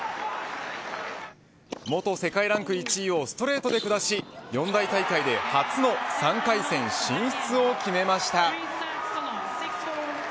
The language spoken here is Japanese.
元世界ランク１位をストレートで下し四大大会で、初の３回戦進出を決めました。